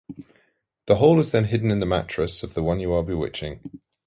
The whole is then hidden in the mattress of the one you are bewitiching.